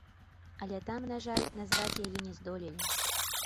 Але там, на жаль, назваць яе не здолелі.